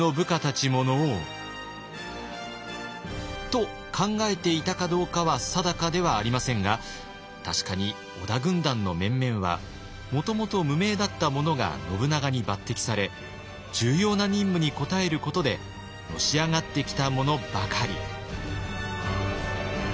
と考えていたかどうかは定かではありませんが確かに織田軍団の面々はもともと無名だった者が信長に抜擢され重要な任務に応えることでのし上がってきた者ばかり。